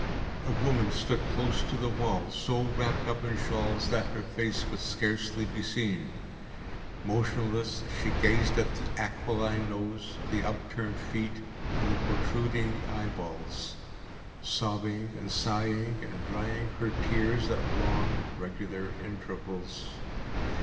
A woman stood close to the wall, so wrapped up in shawls that her face could scarcely be seen. Motionless she gazed at the aquiline nose, the upturned feet, and the protruding eyeballs; sobbing and sighing, and drying her tears at long, regular intervals.